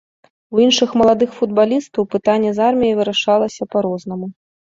У іншых маладых футбалістаў пытанне з арміяй вырашалася па-рознаму.